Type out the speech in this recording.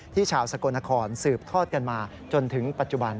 ชาวสกลนครสืบทอดกันมาจนถึงปัจจุบัน